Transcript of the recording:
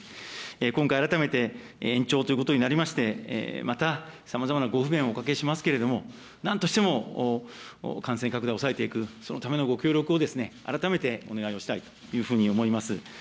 今回、改めて延長ということになりまして、またさまざまなご不便をおかけしますけれども、なんとしても感染拡大を抑えていく、そのためのご協力を改めてお願いをしたいというふうに思います。